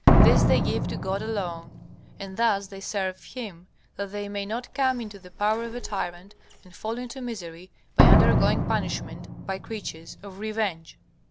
This they give to God alone, and thus they serve Him, that they may not come into the power of a tyrant and fall into misery by undergoing punishment by creatures of revenge.